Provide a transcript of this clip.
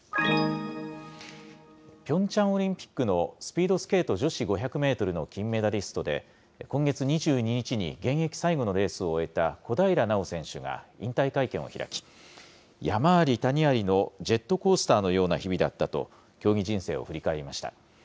ピョンチャンオリンピックのスピードスケート女子５００メートルの金メダリストで、今月２２日に現役最後のレースを終えた小平奈緒選手が引退会見を開き、山あり谷ありのジェットコースターのような日々だったと、競技人生を振り返りました。